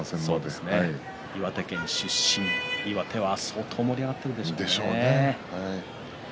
岩手県出身岩手は相当盛り上がっているでしょうね。